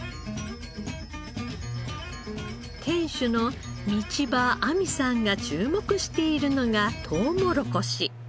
店主の道場亜実さんが注目しているのがとうもろこし。